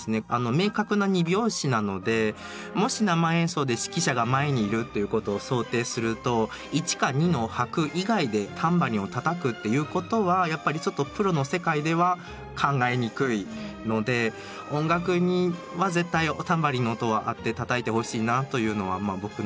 明確な２拍子なのでもし生演奏で指揮者が前にいるっていうことを想定すると１か２の拍以外でタンバリンをたたくっていうことはやっぱりちょっとプロの世界では考えにくいので音楽には絶対タンバリンの音は合ってたたいてほしいなというのはまあ僕の希望でもありますけどね。